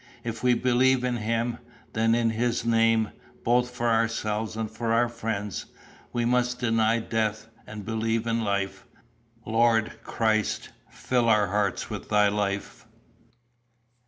If we believe in him, then in his name, both for ourselves and for our friends, we must deny death and believe in life. Lord Christ, fill our hearts with thy Life!"